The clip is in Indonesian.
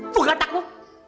tuh gatak lu